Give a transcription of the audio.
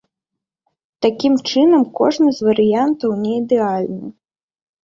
Такім чынам, кожны з варыянтаў неідэальны.